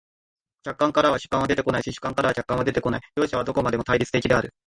客観からは主観は出てこないし、主観からは客観は出てこない、両者はどこまでも対立的である。